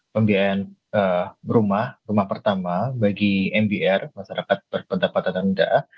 pembiayaan rumah rumah pertama bagi mbr masyarakat berpendapatan rendah